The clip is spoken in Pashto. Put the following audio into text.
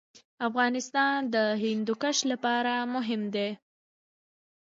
افغانستان د هندوکش لپاره مشهور دی.